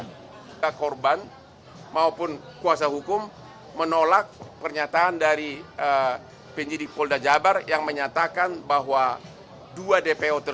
soalnya dengan arab sejoint essay dan dengan contohnya belomas eva futri tak mengatakan sama sekali